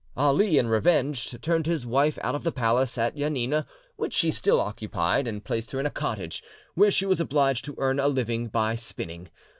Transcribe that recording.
Ali, in revenge, turned his wife out of the palace at Janina which she still occupied, and placed her in a cottage, where she was obliged to earn a living by spinning.